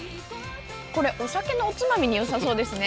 これお酒のおつまみによさそうですね。